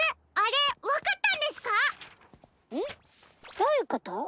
どういうこと。